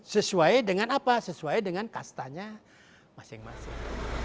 sesuai dengan apa sesuai dengan kastanya masing masing